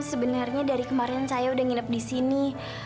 sebenarnya dari kemarin saya udah nginep di sini